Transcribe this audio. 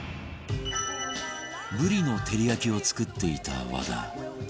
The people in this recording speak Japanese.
ブリの照り焼きを作っていた和田